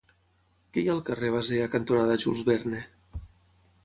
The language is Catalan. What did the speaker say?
Què hi ha al carrer Basea cantonada Jules Verne?